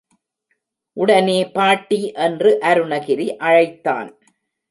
உடனே பாட்டி என்று அருணகிரி அழைத்தான்.